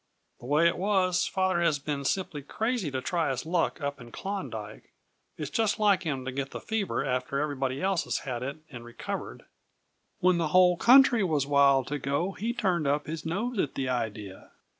The way it was, father has been simply crazy to try his luck up in Klondyke; it's just like him to get the fever after everybody else has had it and recovered. When the whole country was wild to go he turned up his nose at the idea.